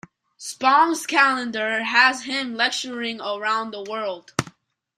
Spong's calendar has him lecturing around the world.